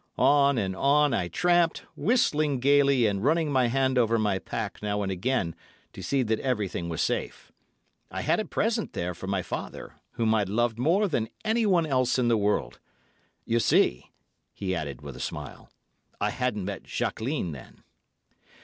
On and on I tramped, whistling gaily and running my hand over my pack now and again to see that everything was safe. I had a present there for my father, whom I loved more than anyone else in the world. 'You see,' he added with a smile, 'I hadn't met Jacqueline then.